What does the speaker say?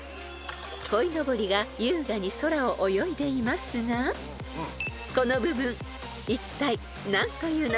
［こいのぼりが優雅に空を泳いでいますがこの部分いったい何という名前か分かりますか？］